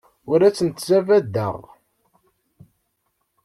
Ur asent-ttabdadeɣ.